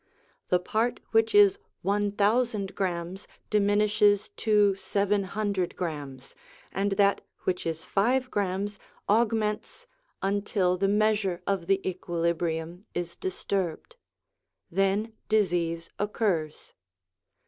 The part which is one thousand grammes diminishes to seven hundred grammes, and that which is five grammes augments until the measure of the equilibrium is disturbed ; then disease occurs.